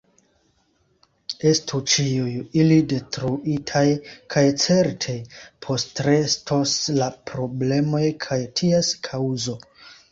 Estu ĉiuj ili detruitaj, kaj certe postrestos la problemoj kaj ties kaŭzo.